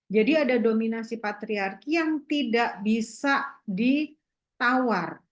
ada dominasi patriarki yang tidak bisa ditawar